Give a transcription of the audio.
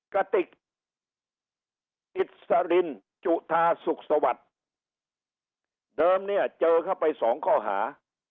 กระติกอิสรินจุธาสุขสวัสดิ์เดิมเนี่ยเจอเข้าไปสองข้อหา